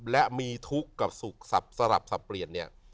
และมีทุกข์กับสุขสับสลับสับเปลี่ยนเนี่ย